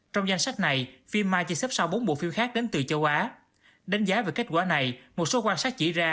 trong danh sách này phim mai chỉ xếp sau bốn bộ phim khác đến từ châu á đánh giá về kết quả này một số quan sát chỉ ra